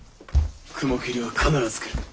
雲霧は必ず来る。